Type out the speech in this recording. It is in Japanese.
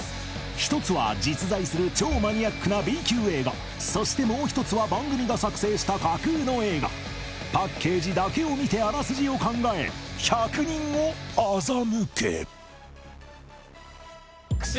１つは実在する超マニアックなＢ級映画そしてもう１つは番組が作成した架空の映画パッケージだけを見てあらすじを考え１００人を欺け！